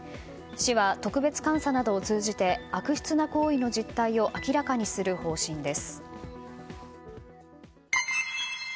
市は特別監査などを通じて悪質な行為の実態を明らかにする方針です。